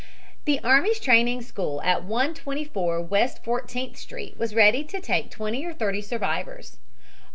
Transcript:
The army's training school at 124 West Fourteenth Street was ready to take twenty or thirty survivors.